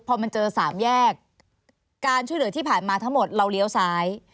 พอมันเจอสามแยกการช่วยเหลือที่ผ่านมาทั้งหมดเราเลี้ยวซ้าย